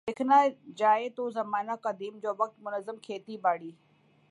دیکھنا جائے تو زمانہ قدیم جو وقت منظم کھیتی باڑی